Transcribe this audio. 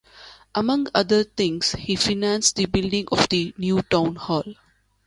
Among other things, he financed the building of the new town hall.